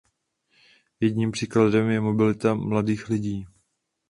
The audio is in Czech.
Jedním příkladem je mobilita mladých lidí.